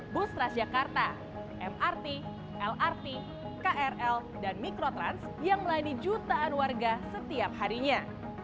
bus transjakarta mrt lrt krl dan mikrotrans yang melayani jutaan warga setiap harinya